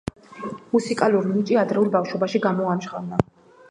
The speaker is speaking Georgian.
მუსიკალური ნიჭი ადრეულ ბავშვობაში გამოამჟღავნა.